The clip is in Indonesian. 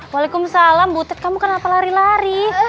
waalaikumsalam butet kamu kenapa lari lari